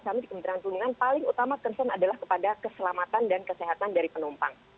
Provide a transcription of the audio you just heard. kami di kementerian perhubungan paling utama concern adalah kepada keselamatan dan kesehatan dari penumpang